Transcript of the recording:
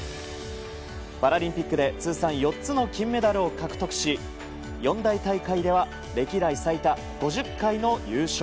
パラリンピックで通算４つの金メダルを獲得し四大大会では歴代最多５０回の優勝。